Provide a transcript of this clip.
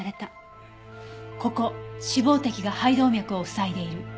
ここ脂肪滴が肺動脈を塞いでいる。